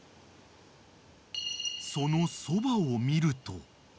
［そのそばを見ると］